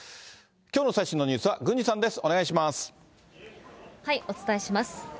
きょうの最新のニュースは郡司さお伝えします。